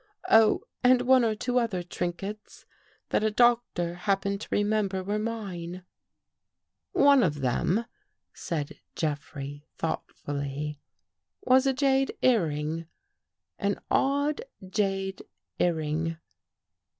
Oh, and one or two other trink ets that a doctor happened to remember were mine." " One of them," said Jeffrey, thoughtfully, " was a jade earring. An odd jade earring."